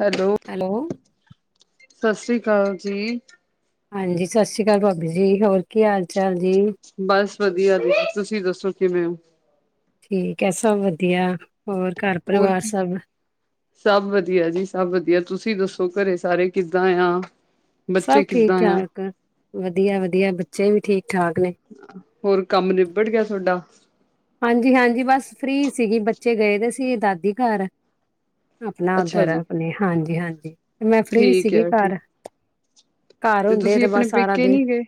Hello. ਸਤਿ ਸ੍ਰੀ ਅਕਾਲ ਜੀ। ਹਾਂਜੀ, ਸਤ ਸ੍ਰੀ ਕਾਲ ਭਾਬੀ ਜੀ। ਹੋਰ ਕੀ ਹਾਲ ਚਾਲ ਜੀ ਬਸ ਵਧੀਆ ਵੀ। ਤੁਸੀਂ ਦੱਸੋ ਕਿਵੇਂ ਓ? ਠੀਕ ਏ, ਸਭ ਵਧੀਆ। ਹੋਰ ਘਰ ਹੋਰ ਪਰਿਵਾਰ ਕੀ ਸਭ ਸਭ ਵਧੀਆ ਜੀ, ਸਭ ਵਧੀਆ। ਤੁਸੀਂ ਦੱਸੋ ਘਰੇ ਸਾਰੇ ਕਿੱਦਾਂ ਆ? ਸਭ ਬੱਚੇ ਕਿੱਦਾਂ ਆ? ਠੀਕ-ਠਾਕ, ਵਧੀਆ-ਵਧੀਆ, ਬੱਚੇ ਵੀ ਠੀਕ ਠਾਕ ਨੇ। ਹੋਰ ਕੰਮ ਨਿਬੜ ਗਿਆ ਥੋਡਾ? [inaudible] ਹਾਂਜੀ, ਹਾਂਜੀ, ਬਸ ਫ੍ਰਰੀ ਸੀਗੀ। ਬੱਚੇ ਗਏ ਦੇ ਸੀ ਦਾਦੀ ਘਰ। ਆਪਨਾ ਅੱਛਾ ਓਧਰ, ਜੀ, ਆਪਨੇ। ਹਾਂਜੀ, ਹਾਂਜੀ। ਜੀ। [inaudible] ਮੈਂ ਫ੍ਰਰੀ ਠੀਕ ਸੀਗੀ ਹੈ ਠੀਕ। ਘਰ। ਘਰ ਹੁੰਦੇ ਆ ਤੁਸੀਂ ਤੇ ਬਸ ਆਪਣੇ ਸਾਰਾ ਪੇਕੇ ਦਿਨ ਨਹੀਂ ਗਏ?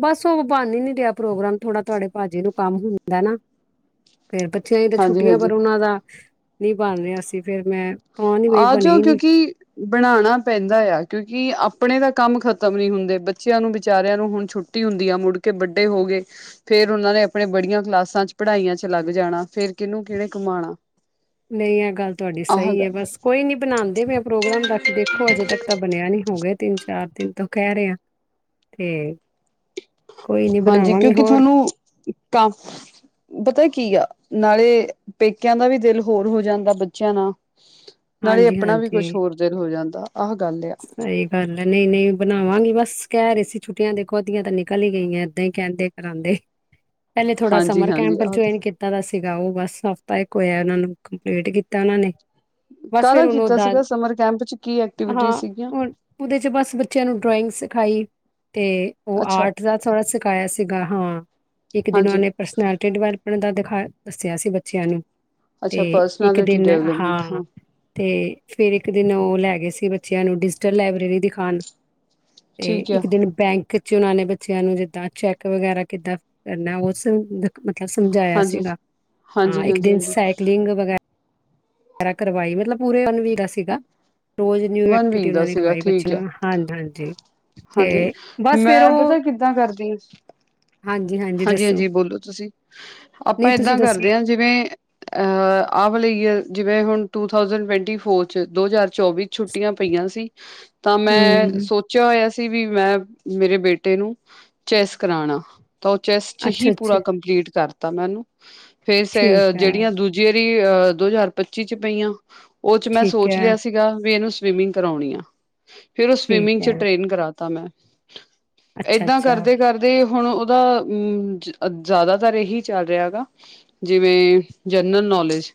ਬਸ ਉਹ ਬਨ ਈ ਨੀ ਰਿਹਾ ਪ੍ਰੋਗਰਾਮ ਥੋੜਾ ਤੁਹਾਡੇ ਭਾਜੀ ਨੂੰ ਕੰਮ ਹੁੰਦਾ ਨਾ। ਫੇਰ ਬੱਚਿਆਂ ਦੀਆ ਤਾਂ ਛੁੱਟੀਆਂ ਹਾਂਜੀ-ਹਾਂਜੀ। ਪਰ ਉਹਨਾਂ ਦਾ ਨੀ ਬਨ ਰਿਹਾ ਸੀ ਫੇਰ ਮੈਂ ਤਾਂ ਨੀ ਆ ਬਈ ਬਣੇ ਜਾਓ ਹੀ ਨੀ ਕਿਉਂਕਿ ਬਣਾਣਾ ਪੈਂਦਾ ਆ ਕਿਉਂਕਿ ਆਪਣੇ ਤਾ ਕੰਮ ਖ਼ਤਮ ਨੀ ਹੁੰਦੇ ਬੱਚਿਆਂ ਨੂੰ ਵਿਚਾਰਿਆਂ ਨੂੰ ਹੁਣ ਛੁੱਟੀ ਹੁੰਦੀ ਆ ਮੁੜ ਕੇ ਬਡੇ ਹੋਗੇ ਫੇਰ ਉਹਨਾਂ ਨੇ ਆਪਣੇ ਬੜੀਆਂ ਕਲਾਸਾਂ ਚ ਪੜ੍ਹਾਈਆਂ ਚ ਲੱਗ ਜਾਣਾ ਫੇਰ ਕਿਹਨੂੰ ਕਿਹਣੇ ਘੁੰਮਾਣਾ ਨਹੀਂ ਆ ਗੱਲ ਤੁਹਾਡੀ ਸਹੀ ਏ ਬਸ ਕੋਈ ਨੀ ਬਨਾਂਦੇ ਪਏ ਪ੍ਰੋਗਰਾਮ ਦੇਖੋ ਅਜੇ ਤੱਕ ਤਾਂ ਬਨਿਆ ਨਹੀਂ ਹੋ ਗਏ ਤਿੰਨ ਚਾਰ ਦਿਨ ਤੋਂ ਕਹਿ ਰਹੇ ਆ ਤੇ ਕੋਈ ਨੀ ਹਾਂਜੀ ਬਣਾਵਾਂਗੇ ਕਿਉਂਕਿ ਹੋਰ ਥੋਹਨੂੰ ਕੰਮ ਪਤਾ ਕੀ ਆ ਨਾਲੇ ਪੇਕਿਆਂ ਦਾ ਵੀ ਦਿਲ ਹੋਰ ਹੋ ਜਾਂਦਾ ਬੱਚਿਆਂ ਨਾਲ ਨਾਲੇ ਆਪਣਾ ਵੀ ਕੁਛ ਹੋਰ ਦਿਲ ਹੋ ਜਾਂਦਾ। ਆਹ ਗੱਲ ਆ ਸਈ ਗੱਲ ਏ ਨਹੀਂ ਨਹੀਂ ਬਨਾਵਾਂਗੀ ਬਸ ਕਹਿ ਰਹੇ ਸੀ ਛੁੱਟੀਆਂ ਦੇਖੋ ਅੱਧੀਆ ਤਾਂ ਨਿਕਲ ਈ ਗਈਆਂ ਏਦਾਂ ਹੀ ਕਹਿੰਦੇ ਕਰਾਂਂਦੇ ਪਹਿਲੇ ਥੋੜਾ ਹਾਂਜੀ ਸਮਰ ਹਾਂਜੀ ਕੈਂਪ ਆਹ ਜੁਆਇਨ ਕੀਤਾ ਦਾ ਸੀਗਾ ਉਹ ਬਸ ਤਾ ਇੱਕ ਹੋਇਆ ਉਹਨਾ ਨੂੰ ਕੰਪਲੀਟ ਕੀਤਾ ਇਹਨਾਂ ਨੇ ਬਸ ਫੇਰ ਕਾਹਦਾ ਹੁਣ ਉਹ ਕੀਤਾ ਸੀਗਾ ਸਮਰ ਕੈਂਪ ਚ ਕੀ ਐਕਟੀਵਿਟੀ ਸੀ। ਉਹ ੳਹਦੇ ਚ ਬਸ ਬੱਚਿਆਂ ਨੂੰ ਡਰਾਇੰਗਸ ਖਾਈ ਖ ਅਤੇ ਉਹ ਅੱਛਾ ਆਰਟ ਦਾ ਥੋੜ੍ਹਾ ਸਿਖਾਇਆ ਸੀਗਾ ਹਾਂ। ਇੱਕ ਦਿਨ ਉਹ ਹਾਂਜੀ ਨੇ ਪਰਸਨੈਲਿਟੀ ਡਿਵੈਲਪ ਉਹਨਾਂ ਦਾ ਦਿਖਾ ਦੱਸਿਆ ਸੀ ਬੱਚਿਆਂ ਨੂੰ ਤੇ ਅੱਛਾ ਇੱਕ ਪਰਸਨੈਲਿਟੀ ਦਿਨ ਡਿਵਲਪਮੈਂਟ ਹਾਂ ਤੇ ਫੇਰ ਇੱਕ ਦਿਨ ਉਹ ਲੈ ਗਏ ਸੀ ਬੱਚਿਆਂ ਨੂੰ ਡਿਜੀਟਲ ਲਾਇਬ੍ਰੇਰੀ ਦਿਖਾਉਣ ਤੇ ਠੀਕ ਆ ਇੱਕ ਦਿਨ ਬੈਂਕ ਖੱਚ ਉਹਨਾਂ ਨੇ ਬੱਚਿਆਂ ਨੂੰ ਜਿੱਦਾਂ ਚੈੱਕ ਵਗੈਰਾ ਕਿੱਦਾਂ ਕਰਨਾ ਉਸ ਮਤਲਬ ਸਮਝਾਇਆ ਹਾਂਜੀ। ਸੀਗਾ ਹਾਂਜੀ, ਹਾਂ ਇੱਕ ਹਾਂਜੀ, ਦਿਨ ਹਾਂਜੀ ਸਾਈਕਲਿੰਗ ਵਗੈਰਾ। ਵੈਰਾ ਕਰਵਾਈ ਮਤਲਬ ਪੂਰੇ ਉਹਨ ਵੀ ਦਾ ਸੀਗਾ ਰੋਜ਼ ਨਿਊ ਵਨ ਐਕਟੀਵਟੀ ਵੀਕ ਉਹਨਾਂ ਦਾ ਨੇ ਸੀਗਾ ਕਰਵਾਈ ਬੱਚੇ ਠੀਕ ਆ ਨੂੰ ਹਾਂਜੀ ਹਾਂਜੀ ਜੀ ਹਾਂਜੀ ਮੈਂ ਪਤਾ ਕਿੱਦਾਂ ਕਰਦੀ ਹ ਹਾਂਜੀ-ਹਾਂਜੀ ਹਾਂਜੀ ਦੱਸੋ? ਹਾਂਜੀ ਬੋਲੋ ਤੁਸੀਂ ਆਪਾਂ ਨਹੀਂ ਤੁਸੀਂ ਏਦਾਂ ਦੱਸੋ? ਕਰਦੇ ਹਾਂ ਜਿਵੇਂ ਅਹ ਆਪ ਲਈਏ ਜਿਵੇਂ ਹੁਣ ਟੂਥਸਡ ਟਵੰਟੀ ਫੋਰ ਚ ਦੋ ਹਜ਼ਾਰ ਚੌਵੀ ਚ ਛੁੱਟੀਆਂ ਪਈਆਂ ਸੀ ਤਾਂ ਮੈਂ ਹੂੰ, ਸੋਚਿਆ ਹੋਇਆ ਸੀ। ਵੀ ਮੈਂ ਮੇਰੇ ਬੇਟੇ ਨੂੰ ਚੈਸ ਕਰਾਉਣਾ। ਤਾਂ ਉਹ ਚੈਸ ਚ ਹੀ ਅੱਛਾ-ਅੱਛਾ ਪੂਰਾ ਕੰਪਲੀਟ ਕਰਦਾ। [inaudible] ਤੇ ਠੀਕ ਐ, ਜਿਹੜੀਆਂ ਦੂਜੇ ਦੋ। ਹਾਜ਼ਾਰ 'ਚ ਪਈਆਂ ਉਹ ਚ ਮੈਂ ਠੀਕ ਸੋਚ ਐ, ਲਿਆ ਸੀਗਾ ਵੀ ਇਹਨੂੰ ਇਮੀਗ ਕਰਾਉਣੀ ਆ ਫਿਰ ਉਹ ਸਵਿਮਿੰਗ ਠੀਕ ਚ ਐ, ਟਰੇਨ ਕਰਾਤਾ ਮੈਂ ਇਦਾਂ ਅੱਛਾ-ਅੱਛਾ ਕਰਦੇ ਕਰਦੇ ਹੁਣ ਜਿਆਦਾਤਰ ਇਹੀ ਚੱਲ ਰਿਹਾ ਹੈਗਾ-ਜਿਵੇਂ ਜਨਰਲ ਨੌਲੇਜ ਹੈਲੋ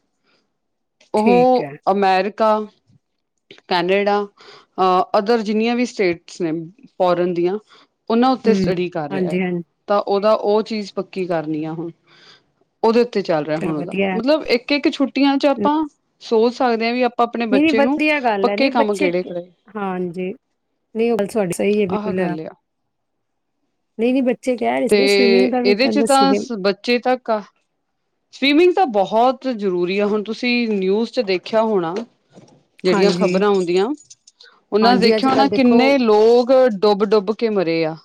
ਠੀਕ ਉਹ ਐ, ਅਮਰੀਕਾ ਪੱਤਾ ਪਾ-ਕੈਨੇਡਾ-ਅਦਰ ਜਿੰਨੀਆਂ ਵੀ ਸਟੇਟਸ ਨੇ ਫੋਰਨ ਦੀਆਂ ਉਹਨਾਂ ਉੱਤੇ ਹੂੰ, ਸਟਡੀ ਕਰ ਰਿਹਾ ਹਾਂਜੀ-ਹਾਂਜੀ ਤਾਂ ਉਹਦਾ ਉਹ ਚੀਜ਼ ਪੱਕੀ ਕਰਨੀ ਆ ਹੁਣ ਉਹਦੇ ਕਿੱਥੇ ਚੱਲ ਰਿਹਾ ਚਲੋ ਹੁਣ ਉਹਦਾ ਵਧੀਆ ਐ, ਮਤਲਬ ਇੱਕ ਇੱਕ ਛੁੱਟੀਆਂ ਚ ਆਪਾਂ ਸੋਚ ਸਕਦੇ ਆ ਵੀ ਆਪਣੇ ਨਹੀਂ ਨਹੀਂ ਬੱਚੇ ਨੂੰ ਵਧੀਆ ਗੱਲ ਹੈ। ਪੱਕੇ ਨਹੀਂ ਕੰਮ ਬੱਚੇ ਕਿਹੜੇ ਕਰਾਏ ਹਾਂਜੀ, ਨਹੀਂ ਉਹ ਗੱਲ ਤੁਹਾਡੀ ਸਹੀ ਹੈ ਆਹ ਬਿਲਕੁਲ, ਗੱਲ ਆ ਨਹੀਂ ਨਹੀਂ ਬ ਤੇ ਇਹਦੇ ਚ ਤਾਂ ਬੱਚੇ ਤੱਕ ਆ ਸਵੀਮਿੰਗ ਤਾਂ ਬਹੁਤ ਬਹੁਤ ਜ਼ਰੂਰੀ ਆ, ਹੁਣ ਤੁਸੀਂ ਨਿਊਜ਼ ਚ ਦੇਖਿਆ ਹੋਣਾ ਜਿਹੜੀਆਂ, ਹਾਂਜੀ, ਖ਼ਬਰਾਂ ਆਉਂਦੀਆਂ ਉਹਨਾਂ ਹਾਂਜੀ ਦੇਖਿਆ ਹੋਣਾ, ਅੱਜ-ਕੱਲ੍ਹ ਦੇਖੋ ਕਿੰਨੇ ਲੋਗ ਡੁੱਬ ਡੁੱਬ ਕੇ ਮਰੇ ਆ,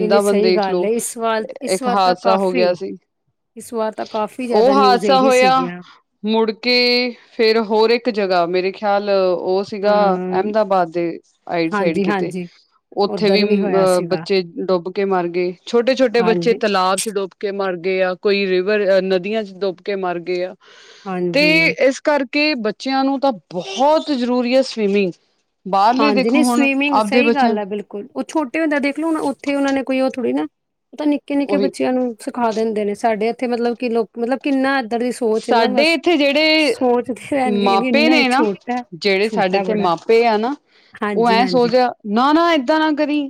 ਨਹੀਂ-ਨਹੀਂ ਵਨ ਸਹੀ ਦੇ ਗੱਲ ਐ ਇਸ ਵਾਰ, ਇਸ ਇੱਕ ਵਾਰ ਤਾਂ ਹਾਦਸਾ ਹੋ ਕਾਫ਼ੀ, ਗਿਆ ਸੀ। ਇਸ ਵਾਰ ਤਾਂ ਕਾਫ਼ੀ ਉਹ ਜ਼ਿਆਦਾ ਨਿਊਜ਼ ਹਾਦਸਾ ਇਹੀ ਹੋਇਆ ਸੀਗੀਆਂ, ਮੁੜਕੇ ਫਿਰ ਹੋਰ ਇੱਕ ਜਗ੍ਹਾ ਮੇਰੇ ਖਿਆਲ ਤਾਂ ਉਹ ਸੀਗਾ, ਹਾਂ ਅਹਿਮਦਾਬਾਦ ਦੇ ਆਈਡ ਸਾਈਡ ਕਿਤੇ, ਹਾਂਜੀ-ਹਾਂਜੀ ਉੱਥੇ ਵੀ, ਉੱਧਰ ਹੋਇਆ ਸੀਗਾ ਬੱਚੇ ਡੁੱਬ ਕੇ ਮਰ ਗਏ ਛੋਟੇ ਛੋਟੇ ਬੱਚੇ ਹਾਂਜੀ, ਤਲਾਬ ਚ ਡੁੱਬ ਕੇ ਮਰ ਗਏ ਆ, ਕੋਈ ਨਦੀਆਂ ਚ ਡੁੱਬ ਕੇ, ਮਰ ਗਏ ਆ। ਤੇ ਹਾਂਜੀ। ਇਸ ਕਰ ਕਿ ਬੱਚਿਆਂ ਨੂੰ ਤਾਂ, ਬਹੁਤ ਜ਼ਰੂਰੀ ਹੈ ਸਵੀਮਿੰਗ। ਬਾਹਰਲੇ ਹਾਂਜੀ ਦੇਖੋ ਨਹੀਂ ਹੁਣ ਸਵੀਮਿੰਗ ਆਪਦੇ ਸਹੀ ਬੱਚਿਆਂ ਗੱਲ ਹੈ ਬਿਲਕੁਲ ਉਹ ਛੋਟੇ ਹੁੰਦੇ ਦੇਖ ਲਓ ਹੁਣ ਉੱਥੇ ਉਹਨਾਂ ਨੇ ਕੋਈ ਉਹ ਥੋੜ੍ਹੀ ਨਾ ਉਹ ਤਾਂ, ਨਿੱਕੇ ਨਿੱਕੇ ਉਹੀ ਬੱਚਿਆਂ ਨੂੰ ਸਿਖਾ ਦਿੰਦੇ ਨੇ ਸਾਡੇ ਇੱਥੇ, ਮਤਲਬ ਕਿ ਲੋਕ, ਮਤਲਬ ਕਿੰਨਾ ਏਦੀ ਸੋਚ ਨਾ ਸਾਡੇ ਬਸ, ਇੱਥੇ ਜਿਹੜੇ ਸੋਚਦੇ ਰਹਿਣਗੇ ਮਾਪੇ ਇੰਨਾ ਨੇ ਛੋਟਾ ਛੋਟਾ ਬੜਾ। ਹਨਾ, ਉਹ ਐਂ ਹਾਂਜੀ-ਹਾਂਜੀ ਸੋਚ ਨਾ ਨਾ ਏਦਾਂ ਨਾ ਕਰੀ,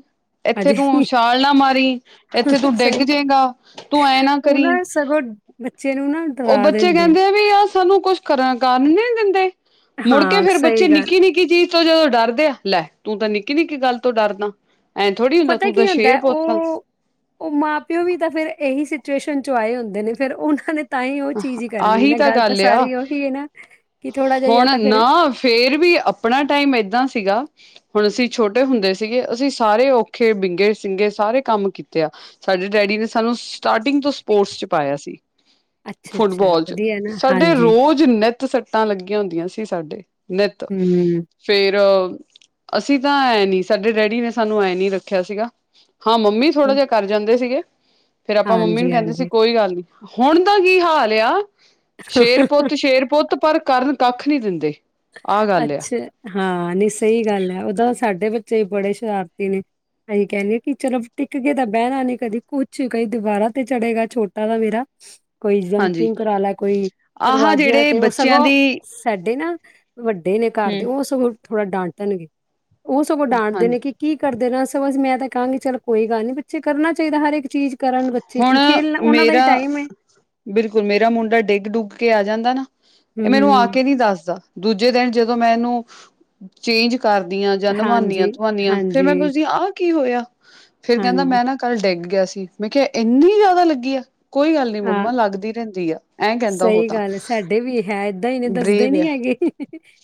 ਇੱਥੇ ਹਜੇ ਤੂੰ ਵੀ ਛਾਲ ਨਾ ਮਾਰੀ, ਇੱਥੇ ਤੂੰ ਡਿੱਗ ਸਹੀ ਜੇਗਾ, ਤੂੰ ਐਂ ਨਾ ਉਹ ਕਰੀ। ਸਗੋਂ ਬੱਚੇ ਨੂੰ ਨਾ ਉਹ ਡਰਾ ਬੱਚੇ ਦਿੰਦੇ ਕਹਿੰਦੇ ਨੇ ਆ ਵੀ ਆ ਸਾਨੂੰ ਕੁਛ ਕਰਨ ਕਾਰਨ ਨਹੀਂ ਦਿੰਦੇ ਮੁੜਕੇ ਹਾਂ ਫੇਿਰ ਬੱਚੇ ਸਹੀ ਗੱਲ ਨਿੱਕੀ, ਨਿੱਕੀ ਚੀਜ਼ ਤੋਂ ਜਦੋਂ ਡਰਦੇ ਆ ਲੈ ਤੂੰ ਤਾਂ ਨਿੱਕੀ ਨਿੱਕੀ ਗੱਲ ਤੋਂ ਡਰਦਾ ਐਂ ਥੋੜ੍ਹੀ ਉਹ ਹੁੰਦਾ ਪਤਾ ਤੂੰ ਕੀ ਤਾਂ ਹੁੰਦਾ ਸ਼ੇਰ ਪੁੱਤ ਆ ਉਹ ਉਹ ਮਾਂ ਪਿਓ ਵੀ ਤਾਂ ਫੇਰ ਇਹੀ ਸੀ। ਸ ਚੋਂ ਆਏ ਹੁੰਦੇ ਨੇ ਫੇਿਰ ਉਹਨਾਂ ਨੇ [inaudible] ਚੀਜ਼ ਹੀ ਕਰਨੀ ਆਹੀ ਨਾ ਤਾਂ ਗੱਲ ਆ ਸਾਰੀ ਉਹੀ ਹੈ ਨਾ ਕਿ ਥੋੜਾ ਜਿਹਾ ਜਾਂ ਹੁਣ ਤਾਂ ਫੇਰ ਨਾ ਫੇਰ ਵੀ ਆਪਣਾ ਟਾਈਮ ਏਦਾਂ ਸੀਗਾ ਹੁਣ ਅਸੀਂ ਛੋਟੇ ਹੁੰਦੇ ਸੀਗੇ ਅਸੀਂ ਸਾਰੇ ਔਖੇ ਬਿੰਗੇ ਸਿੰਗੇ ਸਾਰੇ ਕੰਮ ਕੀਤੇ ਆ ਸਾਡੇ ਡੈਡੀ ਨੇ ਸਾਨੂੰ ਸਟਾਰਟਿੰਗ ਤੋਂ ਸਪੋਰਟਸ ਚ ਪਾਇਆ ਸੀ। ਅੱਛਾ-ਅੱਛਾ ਫੁੱਟਬਾਲ ਚ ਵਧੀਆ ਨਾ ਸਾਡੇ ਹਾਂਜੀ, ਰੋਜ਼ ਨਿੱਤ ਸੱਟਾਂ ਲੱਗੀਆਂ ਹੁੰਦੀਆਂ ਸੀ। ਸਾਡੇ। ਨਿਤ ਹੂੰ, ਫੇਰ ਅਸੀਂ ਤਾਂ ਐਂ ਨੀ ਸਾਡੇ ਡੈਡੀ ਨੇ ਸਾਨੂੰ ਐਂ ਨੀ ਰੱਖਿਆ ਸੀਗਾ। ਹਾਂ ਮੰਮੀ ਥੋੜ੍ਹਾ ਜਿਹਾ ਕਰ ਜਾਂਦੇ ਸੀਗੇ। ਫੇਰ ਆਪਾਂ ਮੰਮੀ ਨੂੰ ਕਹਿੰਦੇ ਸੀ ਹਾਂਜੀ-ਹਾਂਜੀ ਕੋਈ ਗੱਲ ਨਹੀਂਂ। ਹੁਣ ਦਾ ਕੀ ਹਾਲ ਆ। ਸ਼ੇਰ ਪੁੱਤ ਸ਼ੇਰ ਪੁੱਤ ਪਰ। ਕਰਨ ਕੱਖ ਨਹੀਂ ਦਿੰਦੇ। ਆਹ ਗੱਲ ਆ ਅੱਛਾ ਹਾਂ ਨੀ ਸਹੀ ਗੱਲ ਹੈ। ਓਦਾ ਸਾਡੇ ਬੱਚੇ ਬੜੇ ਸ਼ਰਾਰਤੀ ਨੇ ਅਸੀਂ ਕਹਿੰਦੇ ਕਿ ਚਲੋ ਟਿੱਕ ਗਏ ਤਾਂ ਬਹਿਣਾ ਨਹੀਂ ਕਦੀ ਕੁਛ ਕਦੀ ਦਵਾਰਾ ਤੇ ਚੜੇਗਾ ਛੋਟਾ ਤਾਂ ਮੇਰਾ। ਕੋਈ ਹਾਂਜੀ ਜਮਪਿੰਗ ਕਰਾ ਲੈ ਕੋਈ ਆਹ ਦਰਵਾਜਿਆਂ ਜਿਹੜੇ ਤੇ ਉਹ ਬੱਚਿਆਂ ਸਗੋਂ ਦੀ ਸਾਡੇ ਨਾ ਵੱਡੇ ਨੇ ਘਰ ਦੇ ਹੂੰ ਉਹ ਸਗੋਂ ਥੋੜਾ ਡਾਂਟਣਗੇ। ਉਹ ਸਗੋਂ ਡਾਂਟਦੇ ਨੇ ਹਾਂਜੀ ਕਿ ਕੀ ਕਰਦੇ। ਦੇ ਨਾ ਸਗੋਂ ਮੈਂ ਤਾਂ ਕਹਾਂਗੀ ਚਲ ਕੋਈ ਗੱਲ ਨੀ ਬੱਚੇ ਕਰਨਾ ਚਾਹੀਦਾ ਹਰ ਇੱਕ। ਚੀਜ਼ ਕਰਨ ਬੱਚੇ ਹੁਣ ਕੀ ਖੇਲਣਾ ਉਹਨਾਂ ਦਾ ਹੀ ਮੇਰਾ ਟਾਈਮ ਹੈ ਬਿਲਕੁਲ ਮੇਰਾ ਮੁੰਡਾ ਡਿੱਗ ਡੁਗ ਕੇ ਆ ਜਾਂਦਾ ਨਾ। ਹੂੰ ਇਹ ਮੈਨੂੰ ਆ ਹੂੰ ਕੇ ਨਹੀਂ ਦੱਸਦਾ। ਦੂਜੇ ਦਿਨ ਜਦੋਂ ਮੈਂ ਇਹਨੂੰ ਚੇਂਜ ਕਰਦੀਆਂ ਜਾਂ ਹਾਂਜੀ ਨਿਵਾਉਦੀਆਂ ਵਉਂਦੀਆਂ ਫੇਰ ਹਾਂਜੀ ਮੈਂ ਪੁੱਛਦੀਾਂ ਆਹ ਕੀ ਹੋਇਆ। ਫੇਰ ਕਹਿੰਦਾ ਹਾਂਜੀ ਮੈਂ ਨਾ ਕੱਲ ਡਿੱਗ ਗਿਆ ਸੀ। ਸੀ। ਮੈਂ ਕਿਹਾ ਇੰਨੀ ਜ਼ਿਆਦਾ ਲੱਗੀ ਆ। ਕੋਈ ਗੱਲ ਨੀ ਹਾਂ ਮੰਮਾ ਲੱਗਦੀ ਰਹਿੰਦੀ ਆ। ਐਂ ਕਹਿੰਦਾ ਉਹ ਸਹੀ ਤਾਂ ਗੱਲ ਸਾਡੇ ਵੀ ਹੈ ਏਦਾਂ ਹੀ ਨੇ ਦੱਸਦੇ ਬਰੇਵ ਨੀ ਆ ਹੈਗੇ,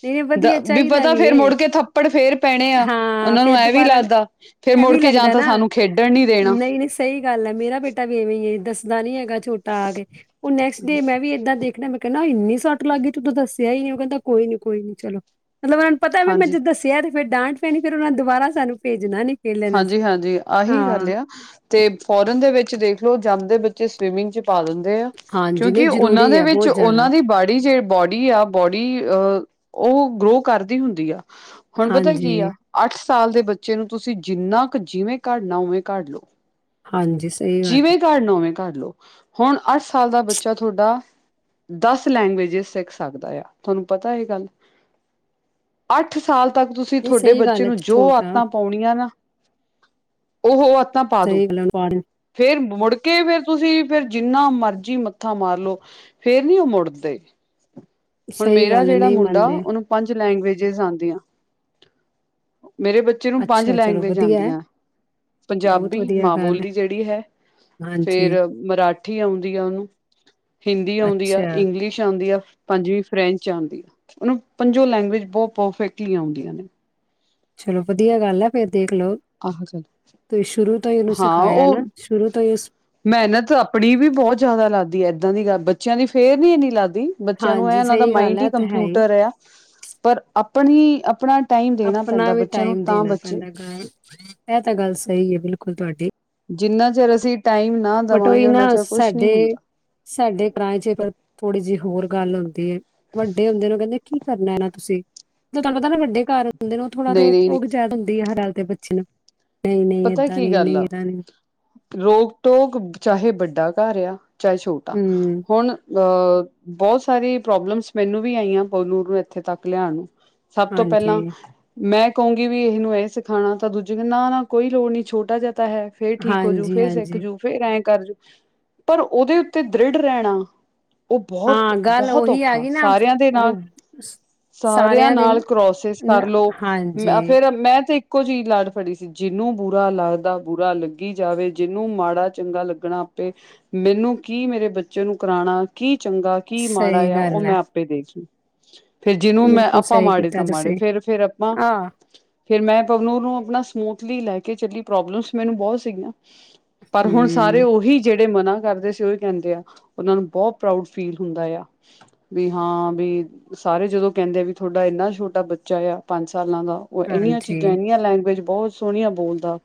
ਨਹੀਂ ਦ ਵਧੀਆ ਚਾਹੀਦਾ ਪਤਾ ਵੀ ਹੈ ਫੇਰ ਮੁੜ ਕੇ ਥੱਪੜ ਫੇਰ ਪੈਣੇ ਆ ਹਾਂ ਉਹਨਾਂ ਨੂੰ ਫੇਰ ਐ ਵੀ ਦੁਬਾਰਾ ਲੱਗਦਾ ਫੇਰ ਐ ਮੁੜ ਵੀਂ ਕੇ ਜਾਂ ਲੱਗਦਾ, ਤਾਂ ਨਾ ਸਾਨੂੰ ਖੇਡਣ ਨੀ ਦੇਣਾ ਨਹੀਂ ਨਹੀਂ ਸਹੀ ਗੱਲ ਹੈ ਮੇਰਾ ਬੇਟਾ ਵੀ ਇਵੇਂ ਹੀ ਦੱਸਦਾ ਨੀ ਹੈਗਾ। ਛੋਟਾ ਆਕੇ ਉਹ ਨੈਕਸਟ। ਤੇ ਮੈਂ ਵੀ ਇੱਦਾਂ ਦੇਖਣਾ ਮੈਂ ਕਹਿੰ ਇੰਨੀ ਸੱਟ ਲੱਗ ਗਈ ਤੂੰ ਤਾ ਦੱਸਿਆ ਹੀ ਨੀ ਉਹ ਕਹਿੰਦਾ ਕੋਈ ਨੀ ਕੋਈ ਨੀ ਚਲੋ। ਮਤਲਬ ਉਹਨਾਂ ਨੂੰ ਪਤਾ ਵੀ ਮੈਂ ਹਾਂਜੀ ਜ ਦੱਸਿਆ ਤੇ ਫਿਰ ਡਾਂਟ ਪੈਣੀ ਫਿਰ ਉਹਨਾਂ ਦੁਬਾਰਾ ਸਾਨੂੰ ਭੇਜਣਾ ਨਹੀਂ। ਹਾਂਜੀ -ਹਾਂਜੀ ਆਹੀ ਗੱਲ ਆ ਤੇ ਫੋਰਨ ਦੇ ਵਿੱਚ ਦੇਖ ਲਓ ਜੰਮਦੇ ਬੱ ਬਚੇ ਸਵਿਮਿੰਗ 'ਚ ਪਾ ਦਿੰਦੇ ਆ ਹਾਂਜੀ ਕਿਉਂਕਿ ਨਹੀਂ ਉਹਨਾਂ ਜ਼ਰੂਰੀ ਦੇ ਹੈ ਵਿੱਚ ਬਹੁਤ ਉਹਨਾਂ ਜ਼ਿਆਦਾ ਦੀ ਬਾੜੀ ਜੇ ਬੋਡੀ ਆ ਬੋਡੀ ਅਹ ਉਹ ਗਰੋ ਕਰਦੀ ਹੁੰਦੀ ਆ। ਹੁਣ ਪਤਾ ਕੀ ਆ ਹਾਂਜੀ ਅੱਠ ਸਾਲ ਦੇ ਬੱਚੇ ਨੂੰ ਤੁਸੀਂ ਤੁਸੀਂ ਜਿੰਨਾ ਕੁ ਜਿਵੇਂ ਘੜਨਾ ਉਵੇਂ ਘੜ ਲਓ। ਹਾਂਜੀ ਸਹੀ ਗੱਲ ਐ। ਕਰ ਲਓ ਹੁਣ ਅੱਠ ਸਾਲ ਦਾ ਬੱਚਾ ਤੁਹਾਡਾ ਦਸ ਲੈਂਗੁਏਜ ਸਿੱਖ ਸਕਦਾ ਆ ਤੁਹਾਨੂੰ ਪਤਾ ਇਹ ਗੱਲ ਅੱਠ ਸਾਲ ਤੱਕ ਤੁਸੀਂ ਨਹੀਂ ਤੁਹਾਡੇ ਸਹੀ ਬੱਚੇ ਗੱਲ ਹੈ ਨੂੰ ਜੋ ਛੋਟਾ ਆਦਤਾਂ ਪਾਉਣ ਉਹੋ ਤਾਂ ਪਾ ਦੋ ਸਹੀ ਗੱਲ ਹੈ ਪਾੜ- ਫੇਰ ਮੁੜਕੇ ਫੇਰ ਤੁਸੀਂ ਫੇਰ ਜਿੰਨਾ ਮਰਜੀ ਮੱਥਾ ਮਾਰਲੋ ਫੇਰ ਨੀ ਉਹ ਮੁੜਦੇ ਹੁਣ ਸਹੀ ਮੇਰਾ ਗੱਲ ਹੈ ਜਿਹੜਾ ਨਹੀਂ ਮੁੰਡਾ ਮੰਨਦੇ ਉਹਨੂੰ ਪੰਜ ਲੈਂਗਏਜਜ਼ ਆਉਂਦੀਆਂ। ਮੇਰੇ ਬੱਚੇ ਨੂੰ ਪੰਜ ਅੱਛਾ ਚਲੋ ਲੈਂਗੁਏਜ ਵਧੀਆ ਹੈ ਆਉਂਦੀਆਂ ਬਹੁਤ ਪੰਜਾਬੀ ਵਧੀਆ ਮਾਂ ਗੱਲ ਹੈ ਬੋਲੀ ਜਿਹੜੀ ਹੈ ਹਾਂਜੀ ਫੇਰ ਮਰਾ ਠੀ ਆਉਂਦੀ ਆ ਉਹਨੂੰ ਹਿੰਦੀ ਆਉਂਦੀ ਆ, ਅੱਛਾ ਇੰਗਲਿਸ਼ ਆਉਂਦੀ ਆ। ਪੰਜਵੀਂ ਫਰੈਂਚ ਆਉਂਦੀ ਆ ਉਹਨੂੰ ਪੰਜੋਂ ਲੈਂਗੁਏਜ ਬਹੁਤ ਪਰਫੈਕਟਲੀ ਆਉਂਦੀਆਂ ਨੇ। ਚਲੋ ਵਧੀਆ ਗੱਲ ਹੈ ਫੇਰ ਦੇਖ ਲਓ ਆ ਤੁਸੀਂ ਸ਼ੁਰੂ ਤੋਂ ਹੀ ਉਹਨੂੰ ਹਾਂ ਸਿਖਾਇਆ ਉਹ ਨਾ ਸ਼ੁਰੂ ਤੋਂ ਹੀ ਉਸ ਮਿਹਨਤ ਆਪਣੀ ਵੀ ਬਹੁਤ ਜ਼ਿਆਦਾ ਲੱਗਦੀ ਹੈ ਇਹਦਾਂ ਦੀ ਗੱਲ ਬੱ ਬੱਚਿਆਂ ਦੀ ਫੇਰ ਨ ਇੰਨੀ ਲੱਗਦੀ। ਬੱਚਿਆਂ ਨੂੰ ਇਹ ਹਾਂਜੀ ਇਹਨਾਂ ਦਾ ਸਹੀ ਗੱਲ ਮਾਈੰਡ ਹੈ ਹੀ ਇਹ ਤਾਂ ਕੰਪਿਊਟਰ ਹੈ ਪਰ ਅਪ ਉਹੀ ਆਪਣਾ ਟਾਈਮ ਦੇਣਾ ਆਪਣਾ ਪੈਂਦਾ ਵੀ ਬੱਚਿਆਂ ਨੂੰ ਟਾਈਮ ਤਾਂ ਦੇਣਾ ਬੱਚੇ ਪੈਂਦਾ ਗੱਲ ਇਹ ਤਾਂ ਗੱਲ ਸਹੀ ਹੈ ਬਿਲਕੁਲ ਤੁਹਾਡੀ ਜਿੰਨਾ ਚਿਰ ਅਸੀਂ ਟਾਈਮ ਨਾ ਬਟ ਓਹੀ ਦੇਵਾਂਗੇ ਨਾ ਓਨਾ ਚਿਰ ਕੁਛ ਨਹੀਂ ਸਾਡੇ, ਹੁੰਦਾ ਸਾਡੇ [unintelligible] ਪਰ ਥੋੜੀ ਜਿਹੀ ਹੋਰ ਗੱਲ ਹੁੰਦੀ ਹੈ। ਵੱਡੇ ਹੁੰਦੇ ਨੂੰ ਕਹਿੰਦੇ ਕੀ ਕਰਨ ਆਣਾ ਤੁਸੀਂ। ਤੁਹਾਨੂੰ ਪਤਾ ਨਾ ਵੱਡੇ ਘਰ ਹੁੰਦੇ ਨੇ। ਉਹ ਥੋੜ੍ਹ ਨਹੀਂ ਨਹੀਂ ਰੋਕ-ਟੋਕ ਨਹੀਂ ਜ਼ਿਆਦਾ ਹੁੰਦੀ ਹੈ ਹਰ ਗ ਤੇ ਬੱਚੇ ਨਾ ਪਤਾ ਕੀ ਗੱਲ ਆ ਰੋਕ-ਟੋਕ ਚਾਹੇ ਵੱਡਾ ਘਰ ਆ ਚਾਹੇ ਛੋਟਾ ਹੂੰ ਹੁਣ ਅ, ਬਹੁਤ ਸਾਰੀ ਪ੍ਰੋਬਲਮਸ ਮੈਨੂੰ ਵੀ ਆਈਆਂ ਪਵਨੂਰ ਇੱਥੇ ਤੱਕ ਲਿਆਣ ਨੂੰ। ਸਭ ਤੋਂ ਪਹਿਲਾਂ, ਹਾਂਜੀ ਮੈਂ ਕਹੂੰਗੀ ਵੀ ਇਹ ਨੂੰ ਇਹ ਸਿਖਾਣਾ ਤਾਂ ਦੂਜੇ ਨੇ ਨਾ, ਨਾ ਕੋਈ ਲੋੜ ਨਹੀਂ ਛੋਟਾ ਜਾ ਤੇ ਹੈ, ਫੇਰ ਠੀਕ ਹੋਜੂ ਹਾਂਜੀ ਫੇਰ ਸਿੱਖ ਹਾਂਜੀ ਜੂ ਫੇਰ ਐਂ ਕਰਜੂ ਪਰ ਉਹਦੇ ਉੱਤੇ ਦ੍ਰਿੜ ਰਹਿਣਾ ਉਹ ਹਾਂ ਗੱਲ ਬਹੁਤ-ਬਹੁਤ ਉਹੀ ਆ ਔਖਾ ਗਈ ਨਾ ਸਾਰੇਆਂ ਦੇ ਨਾਲ ਉਹ ਸ- ਸਾਰੇਆਂ ਸਾਰਿਆਂ ਦੇ ਨਾਲ ਕਰੋਸਸ ਨਾ ਕਰਲਓ ਮ ਹਾਂਜੀ, ਫੇਰ ਮੈਂ ਤੇ ਇੱਕੋ ਜਿਹੀ ਲੜ ਫੜੀ ਸੀ। ਜਿਹਨੂੰ ਬੁਰਾ ਲੱਗਦਾ, ਬੁਰਾ ਲੱਗੀ ਜਾਵੇ, ਜਿਹਨੂੰ ਮਾੜਾ-ਚੰਗਾ ਲੱਗਣਾ ਆਪੇ, ਮੈਨੂੰ ਕੀ ਮੇਰੇ ਬੱਚੇ ਨੂੰ ਕਰਾਉਣਾ ਕੀ ਚੰਗਾ ਕੀ ਮਾੜਾ ਸਹੀ ਆ, ਉਹ ਗੱਲ ਐ, ਮੈਂ ਆਪੇ ਦੇਖ ਲੂ। [inaudible] ਫੇਰ ਜਿਹਨੂੰ ਮੈਂ ਬਿਲਕੁਲ ਆਪਾਂ ਸਹੀ ਮਾੜੇ ਕੀਤਾ ਤਾਂ ਮਾੜੇ, ਤੁਸੀਂ। ਫੇਰ-ਫੇਰ ਆਪਾਂ, ਆਹ, ਫੇਰ ਮੈਂ ਪਵਨੂਰ ਨੂੰ ਆਪਣਾ ਸਮੂਥਲੀ ਲੈ ਕੇ ਚੱਲੀ ਪ੍ਰੋਬਲਮਸ ਮੈਨੂੰ ਬਹੁਤ ਸੀਗੀਆਂ। ਪਰ ਹੁਣ ਸਾਰੇ ਹੂੰ, ਉਹੀ ਜਿਹੜੇ ਜਿਹੜੇ ਮਨਾ ਕਰਦੇ ਸੀ, ਉਹੀ ਕਹਿੰਦੇ ਆ, ਉਹਨਾਂ ਨੂੰ ਬਹੁਤ ਪ੍ਰਾਊਡ ਫੀਲ ਹੁੰਦਾ ਆ, ਵੀ ਹਾਂ ਵੀ ਸਾਰੇ ਜਦੋਂ ਕਹਿੰਦੇ ਆ ਵੀ ਤੁਹਾਡਾ ਇੰਨਾ ਛੋਟਾ ਬੱਚਾ ਆ ਪੰਜ ਸਾਲਾਂ ਦਾ ਉਹ ਇੰਨੀਆਂ ਹਾਂਜੀ। ਚੀਜ਼ਾਂ ਇੰਨੀਆਂ ਲੈਂਗੁਐਜ ਬਹੁਤ ਸੋਹਣੀਆਂ ਬੋਲਦਾ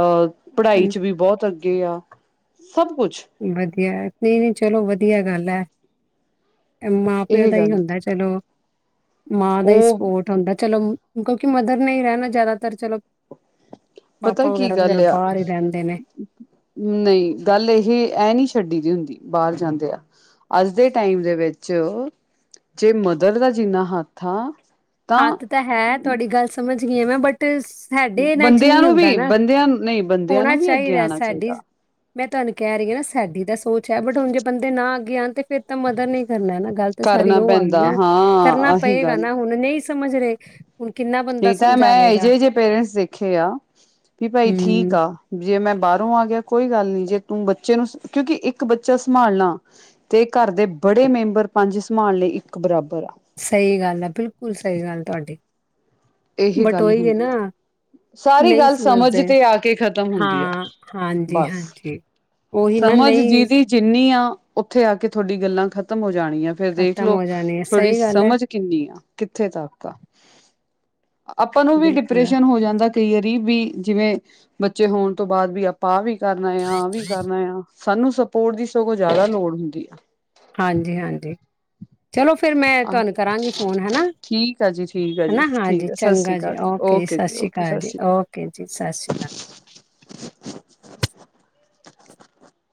ਅਹ ਪੜ੍ਹਾਈ ਹੂੰ, ਚ ਵੀ ਬਹੁਤ ਅੱਗੇ ਆ। ਸਭ ਕੁਛ ਵਧੀਆ ਨਹੀਂ-ਨਹੀਂ, ਚਲੋ ਵਧੀਆ ਗੱਲ ਏ। ਮਾਂ ਪਿਓ ਇਹ ਦਾ ਹੀ ਗੱਲ ਹੁੰਦਾ ਚਲੋ, ਮਾਂ ਦਾ ਹੀ ਉਹ ਸਪੋਰਟ ਹੁੰਦਾ ਚਲੋ ਕਿਉਂਕਿ ਮਦਰ ਨੇ ਹੀ ਰਹਿਨਾ ਜਿਆਦਾਤਰ ਚਲੋ ਪਤਾ ਪਾਪਾ ਕੀ ਵਗੈਰਾ ਤਾਂ ਗੱਲ ਚਲੋ ਆ ਬਾਹਰ ਹੀ ਰਹਿੰਦੇ ਨੇ। ਨਹੀਂ ਗੱਲ ਇਹ ਇਹ ਨੀ ਛੱਡੀ ਦੀ ਹੁੰਦੀ, ਬਾਹਰ ਜਾਂਦੇ ਆ ਅੱਜ ਦੇ ਟਾਈਮ ਦੇ ਵਿੱਚ ਜੇ ਮਦਰ ਦਾ ਜਿੰਨਾ ਹੱਥ ਆ ਹੱਥ ਤਾਂ ਹੈ, ਤੁਹਾਡੀ ਗੱਲ ਸਮਝ ਥੀਮ ਹੈ ਬਟ, ਸਾਡੇ ਇਹਨਾਂ ਚ ਬੰਦਿਆਂ ਨਹੀਂ ਨੂੰ ਹੁੰਦਾ ਵੀ ਨਾ। ਬੰਦਿਆਂ ਨਹੀਂ, ਬੰਦਿਆਂ ਹੋਣਾ ਨੂੰ ਵੀ ਅੱਗੇ ਚਾਹੀਦਾ ਆਣਾ ਸਾਡੀ ਚਾਹੀਦਾ। ਮੈਂ ਤੁਹਾਨੂੰ ਕਹਿ ਰਹੀ ਹਾਂ ਨਾ ਸਾਡੀ ਦਾ, ਸੋਚ ਹੈ ਬਟ ਹੁਣ ਜੇ ਬੰਦੇ ਨਾ ਅੱਗੇ ਆਣ ਤੇ ਫਿਰ ਤਾਂ ਮਦਰ ਨੀ ਕਰਨਾ ਨਾ ਗਲਤ ਸਾਰੀ ਕਰਨਾ ਉਹ ਆ ਗਈ ਪੈਂਦਾ ਨਾ ਹਾਂ ਕਰਨਾ ਪਏਗਾ ਨਾ ਹੁਣ ਨਹੀਂ ਸਮਝ ਰਹੇ ਹੁਣ ਕਿੰਨਾ ਬੰਦਾ ਠੀਕ ਤਾਂ ਸਮਝਾ ਮੈਂ ਇਹਏ ਲਏਗਾ ਜਿਹੇ ਜ ਜਿਹੇ ਪੇਰੈਂਟਸ ਦੇਖੇ ਆ ਵੀ ਭਾਈ ਠੀਕ ਹਮ ਆ [unintelligible] ਬਾਹਰੋਂ ਆ ਗਿਆ ਕੋਈ ਗੱਲ ਨੀ ਜੇ ਤੂੰ ਬੱਚੇ ਨੂੰ ਕਿਉਂਕਿ ਇੱਕ ਬੱਚਾ ਸੰਭਾਲਣਾ ਤੇ ਘਰ ਦੇ ਬੜੇ ਮੈਂਬਰ ਪੰਜ ਸੰਭਾਲ ਲਈ ਇੱਕ ਬਰਾਬਰ ਆ ਸਹੀ ਗੱਲ ਹੈ ਬਿਲਕੁਲ ਸਹੀ ਗੱਲ ਤੁਹਾਡੀ ਇਹ ਬਟ ਗੱਲ ਉਹੀ ਹੈ ਹੁੰਦੀ ਨਾ ਆ ਸਾਰੀ ਨਹੀਂ ਗੱਲ ਸਮਝ ਸਮਝਦੇ ਤੇ ਆ ਕੇ ਖਤਮ ਹੁੰਦੀ ਆ ਹਾਂ ਹਾਂਜੀ ਬਸ ਹਾਂਜੀ ਉਹੀ ਨਾ ਸਮਝ ਨਹੀਂ ਜਿਹਦੀ ਜਿੰਨੀ ਆ ਉੱਥੇ ਆ ਕੇ ਤੁਹਾਡੀ ਗੱਲਾਂ ਖਤਮ ਹੋ ਜਾਣੀ ਆ ਫੇਰ ਖਤਮ ਦੇਖਲੋ ਹੋ ਜਾਣੀ ਹੈ ਥੋਡੀ ਸਹੀ ਗੱਲ ਹੈ ਸਮਝ ਕਿੰਨੀ ਆ ਕਿੱਥੇ [unintelligible] ਆਪਾਂ ਨੂੰ ਵੀ ਬਿਲਕੁਲ ਡਿਪ੍ਰੈਸ਼ਨ ਹੋ ਜਾਂਦਾ। ਕਈ ਵਾਰੀ ਵੀ ਜਿਵੇਂ ਬੱਚੇ ਹੋਣ ਤੋਂ ਬਾਅਦ ਵੀ ਆਪਾਂ ਆ ਵੀ ਕਰਨਾ ਆ ਆ ਵੀ ਕਰਨਾ ਆ ਸਾਨੂੰ ਸਪੋਰਟ ਦੀ ਸਗੋਂ ਜ਼ਿਆਦਾ ਲੋੜ ਹੁੰਦੀ ਆ। ਹਾਂਜੀ ਹਾਂਜੀ ਚਲੋ ਫਿਰ ਮੈਂ ਆ ਤੁਹਾਨੂੰ ਕਰਾਂਗੀ ਫੋਨ ਹੈਨਾ ਠੀਕ ਆ ਜੀ ਠੀਕ ਆ ਜੀ ਹੈਨਾ ਹਾਂਜੀ ਠੀਕ ਆ ਸਤਿ ਸ੍ਰੀ ਚੰਗਾ ਜੀ ਅਕਾਲ ਓਕੇ ਜੀ ਸਤਿ ਸ਼੍ਰੀ ਓਕੇ ਅਕਾਲ ਸਤਿ ਜੀ ਓਕੇ ਜੀ ਸਤਿ ਸ਼੍ਰੀ ਅਕਾਲ